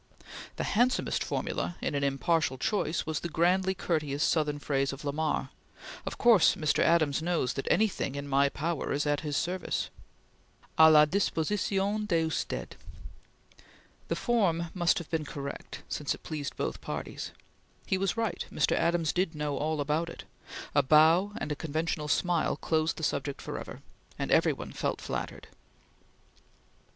The handsomest formula, in an impartial choice, was the grandly courteous Southern phrase of Lamar: "Of course Mr. Adams knows that anything in my power is at his service." A la disposicion de Usted! The form must have been correct since it released both parties. He was right; Mr. Adams did know all about it; a bow and a conventional smile closed the subject forever, and every one felt flattered.